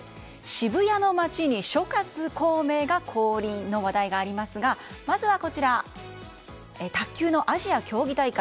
渋谷の街に諸葛孔明が降臨の話題がありますがまずは、卓球のアジア競技大会。